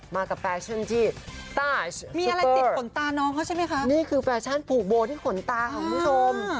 มากับแฟชั่นที่มีอะไรติดขนตาน้องเขาใช่ไหมคะนี่คือแฟชั่นผูกโบที่ขนตาของคุณผู้ชม